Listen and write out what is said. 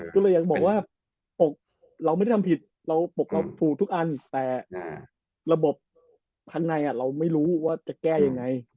ก็เลยอยากบอกว่าปลกเราไม่ได้ทำผิดตรงนั้นเปล่าแต่ระบบข้างในเราไม่รู้ว่าจะแก้ยังไง